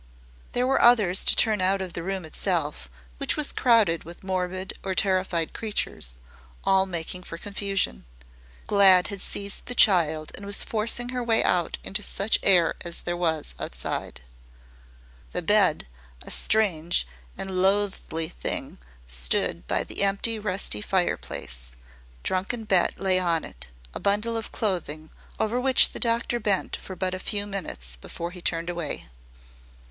There were others to turn out of the room itself, which was crowded with morbid or terrified creatures, all making for confusion. Glad had seized the child and was forcing her way out into such air as there was outside. The bed a strange and loathly thing stood by the empty, rusty fireplace. Drunken Bet lay on it, a bundle of clothing over which the doctor bent for but a few minutes before he turned away.